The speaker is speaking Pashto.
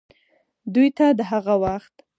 دوې ته دَ هغه وخت